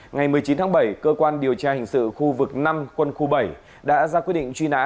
ngày một mươi chín tháng bảy cơ quan điều tra hình sự khu vực năm quân khu bảy đã ra quyết định truy nã